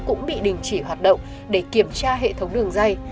cũng bị đình chỉ hoạt động để kiểm tra hệ thống đường dây